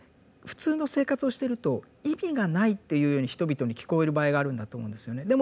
普通の生活をしてると意味がないというように人々に聞こえる場合があるんだと思うんですよね。